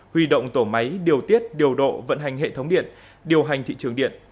huy động tổ máy điều tiết điều độ vận hành hệ thống điện điều hành thị trường điện